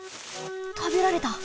たべられた。